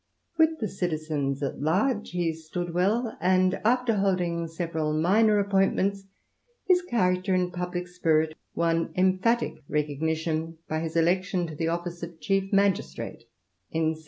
With the citizens at large he stood well, and holding several minor appointments, his character and ic spirit won emphatic recognition by his election to )ffice of chief magistrate in 1725.